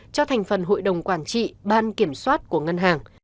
cho thành phần hội đồng quản trị ban kiểm soát của ngân hàng